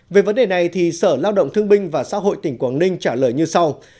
về vấn đề này thì sở lao động thương binh và xã hội tỉnh quảng ninh trả lời như sau